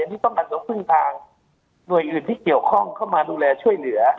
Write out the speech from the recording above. นี่ต้องกันต่อครึ่งทางหน่วยอื่นที่เกี่ยวข้องเข้ามาดูแลช่วยเหนือ